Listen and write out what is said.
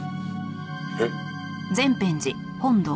えっ？